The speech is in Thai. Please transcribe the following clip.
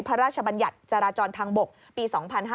พระราชบัญญัติจราจรทางบกปี๒๕๕๙